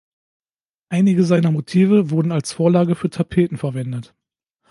Einige seiner Motive wurden als Vorlage für Tapeten verwendet.